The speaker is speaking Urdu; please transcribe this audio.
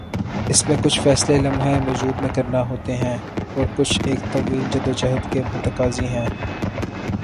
اس میں کچھ فیصلے لمحہ موجود میں کرنا ہوتے ہیں اور کچھ ایک طویل جدوجہد کے متقاضی ہیں۔